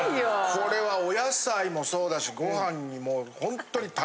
これはお野菜もそうだしご飯にもほんっとに。